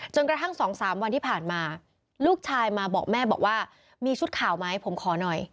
กระทั่ง๒๓วันที่ผ่านมาลูกชายมาบอกแม่บอกว่ามีชุดข่าวไหมผมขอหน่อย